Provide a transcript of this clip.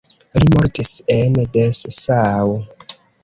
Li mortis en Dessau.